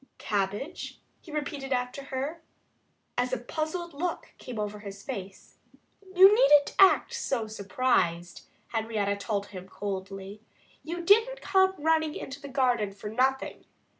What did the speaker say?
"Cabbage?" he repeated after her as a puzzled look came over his face. "You needn't act so surprised," Henrietta told him coldly. "You didn't come running into the garden for nothing.